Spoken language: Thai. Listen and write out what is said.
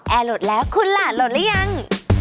แอร์โหลดแล้วคุณล่ะโหลดแล้วยัง